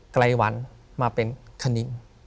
ไกลวันมาเป็นคณิง